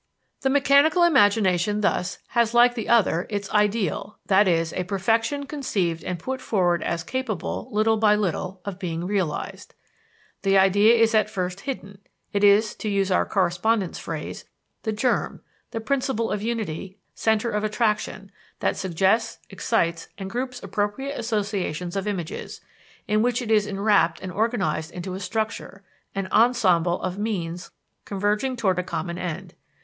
The mechanical imagination thus has like the other its ideal, i.e., a perfection conceived and put forward as capable, little by little, of being realized. The idea is at first hidden; it is, to use our correspondent's phrase, "the germ," the principle of unity, center of attraction, that suggests, excites, and groups appropriate associations of images, in which it is enwrapped and organized into a structure, an ensemble of means converging toward a common end.